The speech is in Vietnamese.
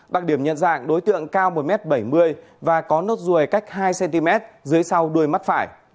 đặc điểm nhận dạng đối tượng cao một m bảy mươi và có nốt ruồi cách hai cm dưới sau đuôi mắt phải